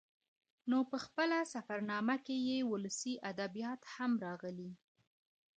نو په خپله سفر نامه کې يې ولسي ادبيات هم راخلي